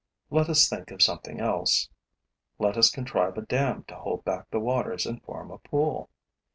Let us think of something else: let us contrive a dam to hold back the waters and form a pool.